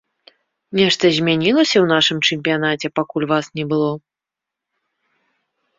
Нешта змянілася ў нашым чэмпіянаце, пакуль вас не было?